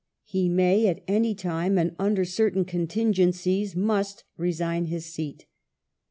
He may at any time, and under certain contingencies must, resign his seat.